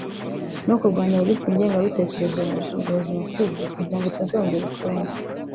no kurwanya abagifite ingengabitekerezo ya Jenoside kugirango itazongera ukundi